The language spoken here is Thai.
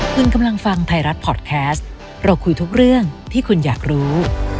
คุณกำลังฟังไทยรัฐพอร์ตแคสต์เราคุยทุกเรื่องที่คุณอยากรู้